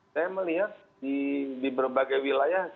saya melihat di berbagai wilayah